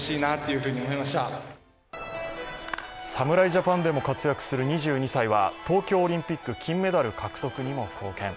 侍ジャパンでも活躍する２２歳は、東京オリンピック金メダル獲得にも貢献。